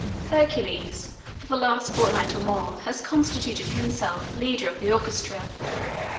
Hercules for the last fortnight or more has constituted himself leader of the orchestra.